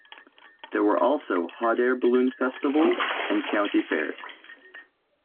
There were also hot air balloon festivals and county fairs.